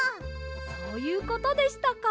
そういうことでしたか。